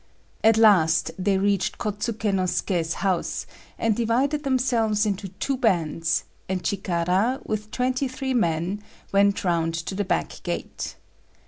At last they reached Kôtsuké no Suké's house, and divided themselves into two bands; and Chikara, with twenty three men, went round to the back gate.